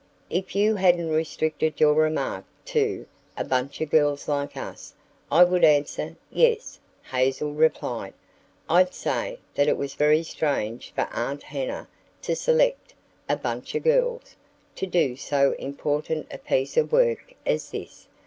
"If you hadn't restricted your remark to 'a bunch of girls like us', I would answer 'yes'," Hazel replied; "I'd say that it was very strange for Aunt Hannah to select a 'bunch of girls' to do so important a piece of work as this.